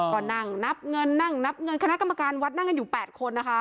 ก็นั่งนับเงินนั่งนับเงินคณะกรรมการวัดนั่งกันอยู่๘คนนะคะ